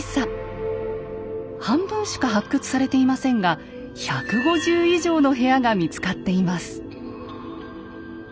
半分しか発掘されていませんが１５０以上の部屋が見つかっています。